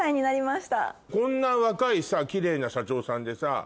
こんな若いキレイな社長さんでさ。